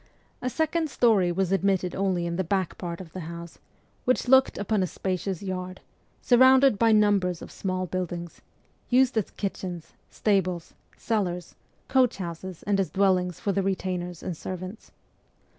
A second story was admitted only in the back part of the house, which looked upon a spacious yard, surrounded by numbers of small buildings, used as kitchens, stables, cellars, coach houses, and as dwellings for the retainers and servants.